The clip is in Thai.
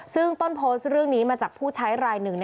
ซึ่งต้นโพสต์เรื่องนี้มาจากผู้ใช้รายหนึ่ง